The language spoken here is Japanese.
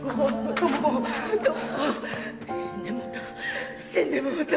死んでもうた死んでもうた